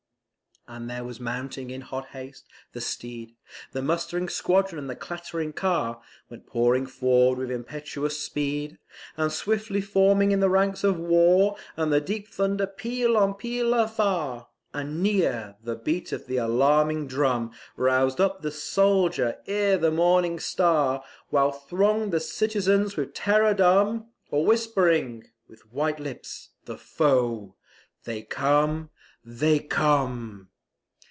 And there was mounting in hot haste: the steed, The mustering squadron, and the clattering car, Went pouring forward with impetuous speed, And swiftly forming in the ranks of war; And the deep thunder peal on peal afar; And near, the beat of the alarming drum Roused up the soldier ere the morning star; While thronged the citizens with terror dumb, Or whispering, with white lips "The foe! They come! they come!"